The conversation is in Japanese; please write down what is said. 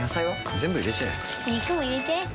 全部入れちゃえ肉も入れちゃえ